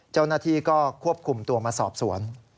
เจ้าหน้าที่ก็ควบคุมตัวมาสอบสวน